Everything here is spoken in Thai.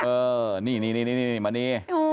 เออนี่มานี่